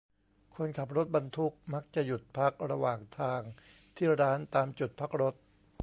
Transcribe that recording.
คนขับรถบรรทุกมักจะหยุดพักระหว่างทางที่ร้านตามจุดพักรถ